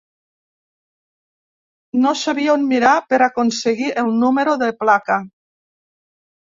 No sabia on mirar per aconseguir el número de placa.